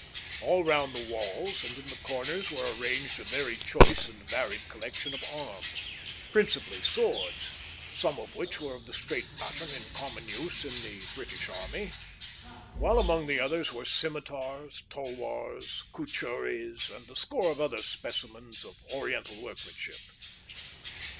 All round the walls and in the corners were arranged a very choice and varied collection of arms, principally swords, some of which were of the straight pattern in common use in the British Army, while among the others were scimitars, tulwars, cuchurries, and a score of other specimens of Oriental workmanship.